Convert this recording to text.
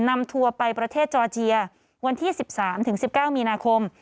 ทัวร์ไปประเทศจอร์เจียวันที่๑๓๑๙มีนาคม